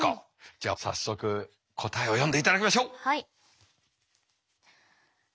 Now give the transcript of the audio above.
じゃあ早速答えを読んでいただきましょう。